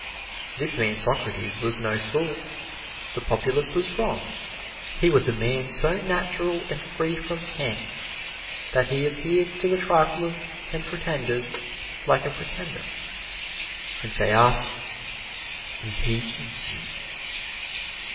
This man Socrates was no fool the populace was wrong he was a man so natural and free from cant that he appeared to the triflers and pretenders like a pretender, and they asked, "Is he sincere?"